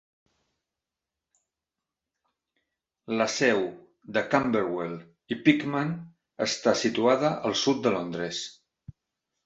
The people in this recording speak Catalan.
La seu de Camberwell i Peckham està situada al sud de Londres.